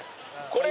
これ。